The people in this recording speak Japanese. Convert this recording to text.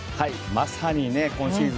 まさに今シーズン